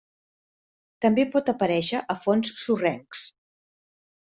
També pot aparèixer a fons sorrencs.